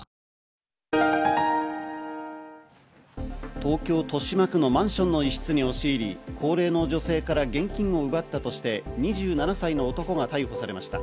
東京・豊島区のマンションの一室に押し入り、高齢の女性から現金を奪ったとして、２７歳の男が逮捕されました。